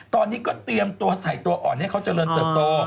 ตอนนี้ก็เตรียมตัวใส่ตัวอ่อนให้เขาเจริญเติบโต